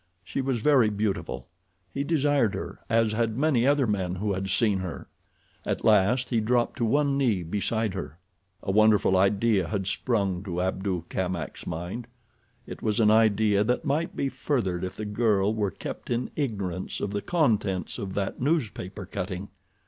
She was very beautiful. He desired her, as had many other men who had seen her. At last he dropped to one knee beside her. A wonderful idea had sprung to Abdul Kamak's mind. It was an idea that might be furthered if the girl were kept in ignorance of the contents of that newspaper cutting.